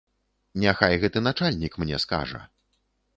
Няхай гэты начальнік мне скажа.